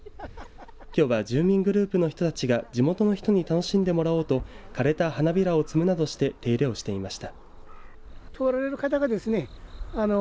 きょうは住民グループの人たちが地元の人に楽しんでもらおうと枯れた花びらを摘むなどして手入れをしていました。